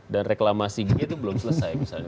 dan reklamasi g itu belum selesai